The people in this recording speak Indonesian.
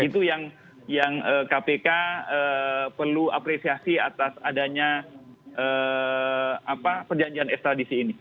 itu yang kpk perlu apresiasi atas adanya perjanjian ekstradisi ini